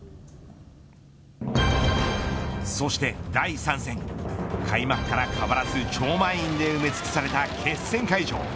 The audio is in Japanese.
そして第３戦開幕から変わらず、超満員で埋め尽くされた決選会場。